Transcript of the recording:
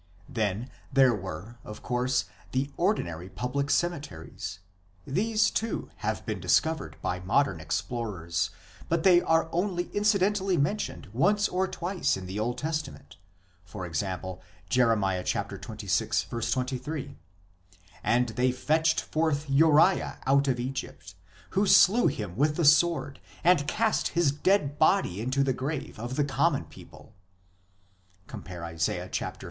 1 Then there were, of course, the ordinary public cemeteries ; these, too, have been discovered by modern explorers, but they are only incidentally mentioned once or twice in the Old Testament, e.g. Jer. xxvi. 23, "... and they fetched forth Uriah out of Egypt ... who slew him with the sword, and cast his dead body into the graves of the common people," cp. Isa. liii.